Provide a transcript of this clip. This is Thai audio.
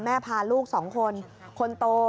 แม่พาลูก๒คนคนโต